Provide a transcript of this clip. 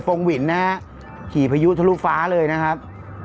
งหวินนะฮะขี่พายุทะลุฟ้าเลยนะครับ